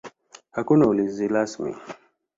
Hakuna ulinzi rasmi.